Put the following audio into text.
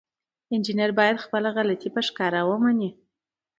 انجینر باید خپله غلطي په ښکاره ومني.